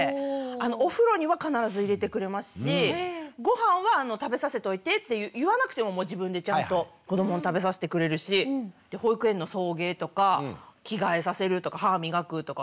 お風呂には必ず入れてくれますしごはんは食べさせといてって言わなくても自分でちゃんと子どもに食べさせてくれるし保育園の送迎とか着替えさせるとか歯磨くとか顔拭いてあげるとか。